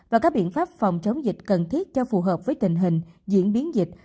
và các biện pháp phòng chống dịch cần thiết cho phù hợp với tình hình diễn biến dịch